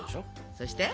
そして？